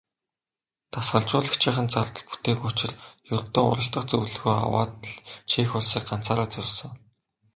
Дасгалжуулагчийнх нь зардал бүтээгүй учир ердөө уралдах зөвлөгөөгөө аваад л Чех улсыг ганцаараа зорьсон.